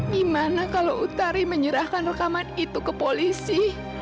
gimana kalau utari menyerahkan rekaman itu ke polisi